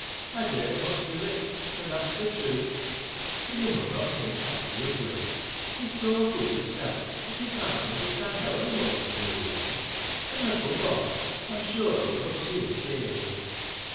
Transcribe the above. I dare not do it, and that 's the truth. But you mini not think badly of Will. He 's so good lussel, that he can't understand how any one can do wrong ; and, above all, I 'm sure he loves you dearly.'